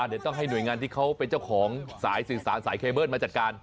เดี๋ยวต้องให้หน่วยงานที่เขาเป็นเจ้าของสายสื่อสารสายเคเบิ้ลมาจัดการ